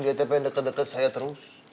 dia teh pengen deket deket saya terus